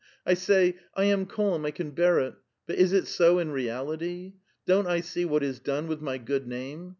I say, 'I am calm, I can bear it,' but is it so in reality? don't I see wh.Mt is done with my good name?